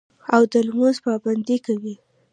او د لمونځ پابندي کوي